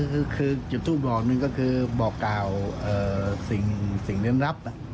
คือจุดทูปรองนึงก็คือบอกก่าวสิ่งเน้นรับ